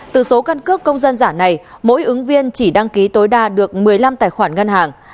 từ số căn cước công dân giả này mỗi ứng viên chỉ đăng ký tối đa được một mươi năm tài khoản ngân hàng